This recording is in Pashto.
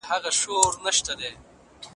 که پرکاره وي نو دایره نه بیضوي کیږي.